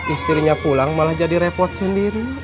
istrinya pulang malah jadi repot sendiri